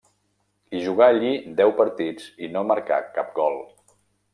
Hi jugà allí deu partits i no marcà cap gol.